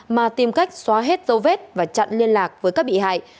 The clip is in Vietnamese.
mà tìm cách xóa hết dấu vết và chặn liên lạc với các bị hại